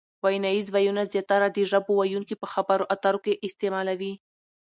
ویناییز وییونه زیاتره د ژبو ویونکي په خبرو اترو کښي استعمالوي.